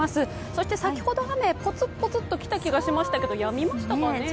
そして先ほどまでポツッ、ポツッときた気がしましたがやみましたかね。